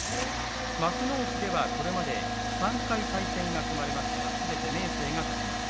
幕内ではこれまで３回対戦が組まれましたがすべて明生が勝ちました。